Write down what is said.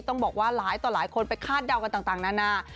ต้องบอกว่าหลายต่อหลายคนไปคาดเดากันต่างนานา